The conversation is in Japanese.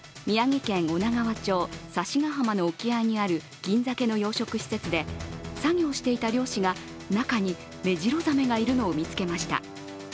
宮城県女川町指ケ浜の沖合にある銀鮭の養殖施設で作業していた漁師が中にメジロザメがいるのを見つけました。